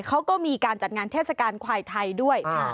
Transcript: เขาก็มีการจัดงานเทศกาลควายไทยด้วย